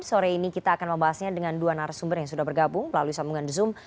sore ini kita akan membahasnya dengan dua narasumber yang sudah bergabung melalui sambungan zoom